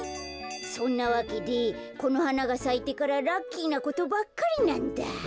そんなわけでこの花がさいてからラッキーなことばっかりなんだ。